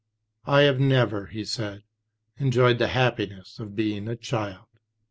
"I have never," he says, "enjoyed the happiness of being a child."